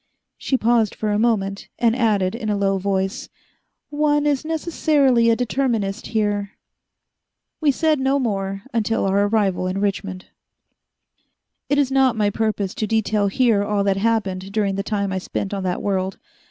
She paused for a moment, and added in a low voice, "One is necessarily a determinist here." We said no more until our arrival in Richmond. It is not my purpose to detail here all that happened during the time I spent on that world.